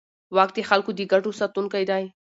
واک د خلکو د ګټو ساتونکی دی.